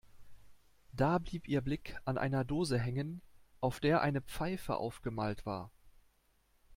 Da blieb ihr Blick an einer Dose hängen, auf der eine Pfeife aufgemalt war.